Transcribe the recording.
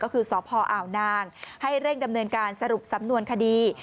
ก็คือสพอ่าวนางให้เร่งดำเนินการสรุปสำนวนคดี